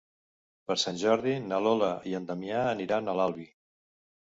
Per Sant Jordi na Lola i en Damià aniran a l'Albi.